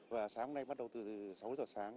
và sáng hôm nay bắt đầu từ sáu h sáng